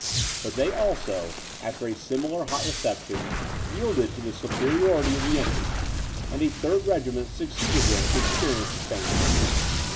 But they, also, after a similar hot reception, yielded to the superiority of the enemy; and a third regiment succeeded them to experience the same fate.